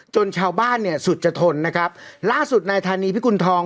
ชาวบ้านเนี่ยสุดจะทนนะครับล่าสุดนายธานีพิกุณฑอง